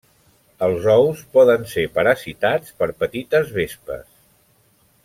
Els ous poden ser parasitats per petites vespes.